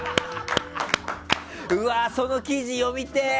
うわー、その記事読みてー！